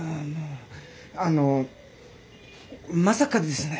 あのまさかですね